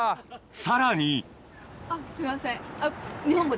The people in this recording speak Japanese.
さらにすいません。